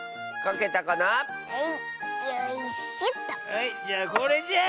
はいじゃあこれじゃ。